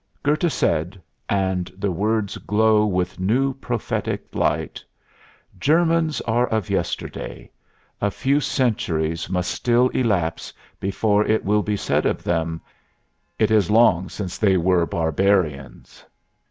Goethe said and the words glow with new prophetic light: "Germans are of yesterday; ... a few centuries must still elapse before ... it will be said of them, 'It is long since they were barbarians.'"